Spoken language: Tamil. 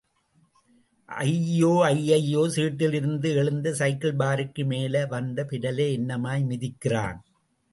அய்யோ... அய்யய்யோ... சீட்டில் இருந்து எழுந்து... சைக்கிள்பாருக்கு மேல வந்து... பிடலை என்னமாய் மிதிக்கிறான்.